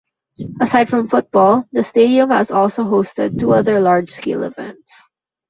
Aside from football, the stadium has also hosted two other large-scale events.